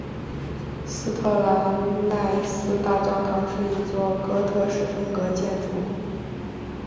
斯特兰奈斯大教堂是一座哥特式风格建筑。